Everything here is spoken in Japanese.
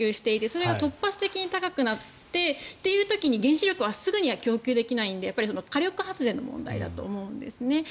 それが突発的に高くなってという時に原子力はすぐには供給できないので火力発電の問題だと思うんですね。